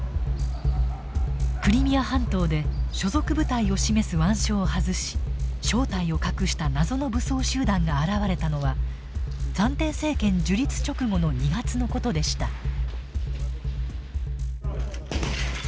クリミア半島で所属部隊を示す腕章を外し正体を隠した謎の武装集団が現れたのは暫定政権樹立直後の２月の事でした。